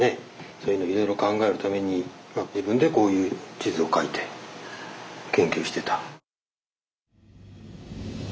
そういうのいろいろ考えるために自分でこういう地図を描いて研究してた。